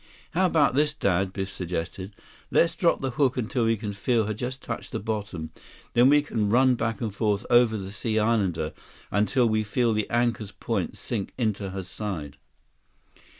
"How about this, Dad?" Biff suggested. "Let's drop the hook until we can feel her just touch bottom. Then we can run back and forth over the Sea Islander until we feel the anchor's points sink into her side."